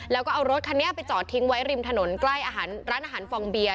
แล้วก็เอารถคันนี้ไปจอดทิ้งไว้ริมถนนใกล้อาหารร้านอาหารฟองเบียร์